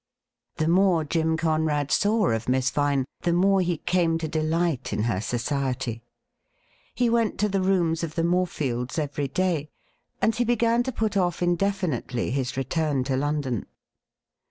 The more Jim Conrad saw of Miss Vine, the more he • came to delight in her society. He went to the rooms of the Morefields every day, and he began to put off indefinitely jhis return to London.